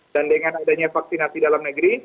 dan dengan adanya vaksinasi dalam negeri